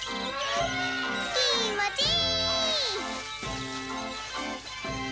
きもちい！